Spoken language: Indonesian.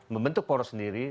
membentuk poros sendiri